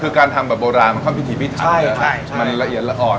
คือการทำแบบโบราณมันความพิถีวิทัพใช่มันละเอียดละอ่อน